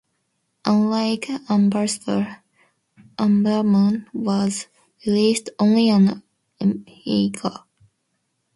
Unlike Amberstar, Ambermoon was released only on Amiga.